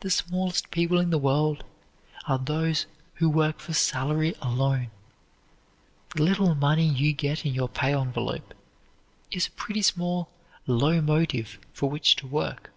The smallest people in the world are those who work for salary alone. The little money you get in your pay envelope is a pretty small, low motive for which to work.